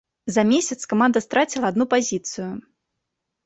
За месяц каманда страціла адну пазіцыю.